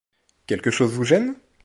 Quelque chose vous gêne ?